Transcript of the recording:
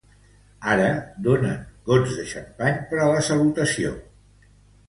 Ara, donen gots de xampany per a la salutació.